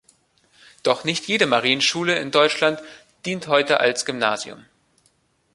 Doch nicht jede Marienschule in Deutschland dient heute als Gymnasium.